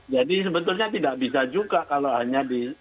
jadi sebetulnya tidak bisa juga kalau hanya di